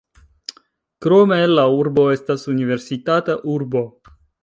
Krome la urbo estas universitata urbo.